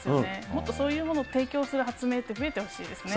もっとそういうものを提供する発明って増えてほしいですね。